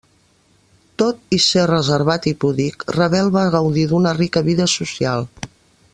Tot i ser reservat i púdic, Ravel va gaudir d'una rica vida social.